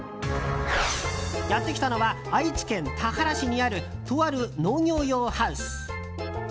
やってきたのは愛知県田原市にあるとある農業用ハウス。